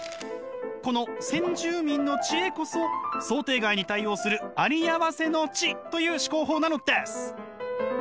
この先住民の知恵こそ想定外に対応するありあわせの知という思考法なのです！